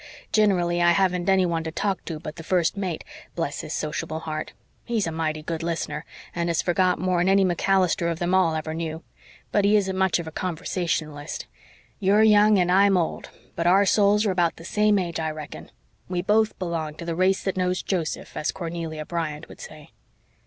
Gin'rally I haven't anyone to talk to but the First Mate, bless his sociable heart. He's a mighty good listener, and has forgot more'n any MacAllister of them all ever knew, but he isn't much of a conversationalist. You're young and I'm old, but our souls are about the same age, I reckon. We both belong to the race that knows Joseph, as Cornelia Bryant would say."